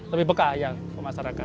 lebih peka ke masyarakat